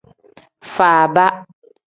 Faaba.